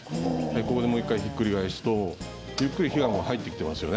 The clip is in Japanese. ここでひっくり返すとゆっくり火が入ってきてますよね。